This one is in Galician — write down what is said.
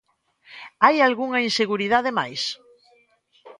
Hai algunha inseguridade máis?